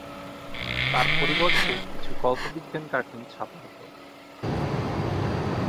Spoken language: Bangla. তার পরিবর্তে কিছু কল্পবিজ্ঞান কার্টুন ছাপা হত।